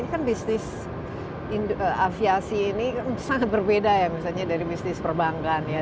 ini kan bisnis aviasi ini sangat berbeda ya misalnya dari bisnis perbankan ya